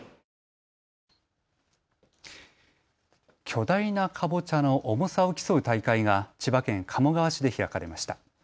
巨大なかぼちゃの重さを競う大会が千葉県鴨川市で開かれました。